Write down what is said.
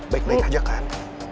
baik baik aja kan